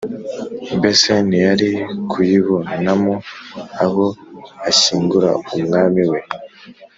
mbese ntiyari kuyibo-namo aho ashyingura umwami we?